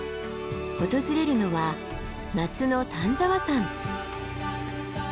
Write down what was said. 訪れるのは夏の丹沢山。